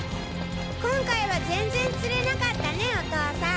今回は全然釣れなかったねお父さん！